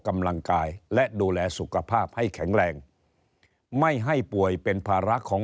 กำลังกายและดูแลสุขภาพให้แข็งแรงไม่ให้ป่วยเป็นภาระของ